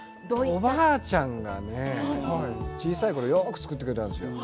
おばあちゃんが小さいころよく作ってくれたんですよ。